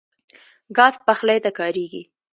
ګاز پخلی ته کارېږي.